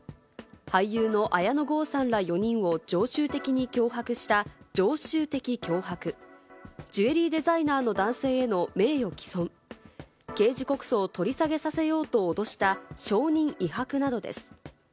俳優の綾野剛さんら４人を常習的に脅迫した常習的脅迫、ジュエリーデザイナーの男性への名誉毀損、刑事告訴を取り下げさせようと脅した証人威迫などです。